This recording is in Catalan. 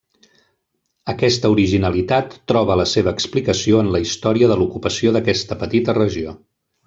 Aquesta originalitat troba la seva explicació en la història de l'ocupació d'aquesta petita regió.